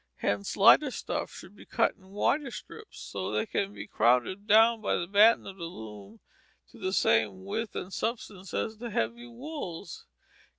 Hence lighter stuffs should be cut in wider strips, as they can then be crowded down by the batten of the loom to the same width and substance as the heavy wools.